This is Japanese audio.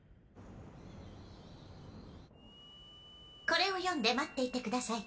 これを読んで待っていてください。